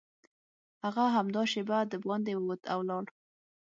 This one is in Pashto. هغه همدا شېبه دباندې ووت او لاړ